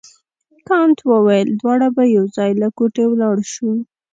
کانت وویل دواړه به یو ځای له کوټې ولاړ شو.